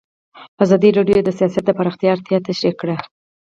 ازادي راډیو د سیاست د پراختیا اړتیاوې تشریح کړي.